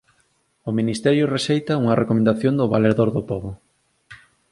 O ministerio rexeita unha recomendación do Valedor do Pobo